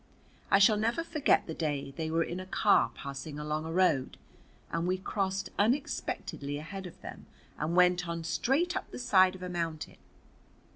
I shall never forget the day they were in a car passing along a road, and we crossed unexpectedly ahead of them and went on straight up the side of a mountain.